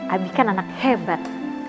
abi kan anak hebat